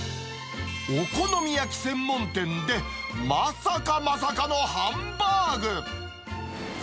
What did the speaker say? お好み焼き専門店で、まさかまさかのハンバーグ。